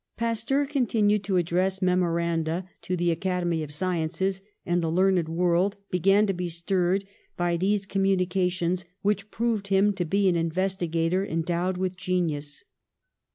Pasteur continued to address memoranda to the Academy of Sciences, and the learned world began to be stirred by these communications, which proved him to be an investigator en dowed with genius.